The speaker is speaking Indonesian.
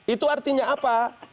itu artinya apa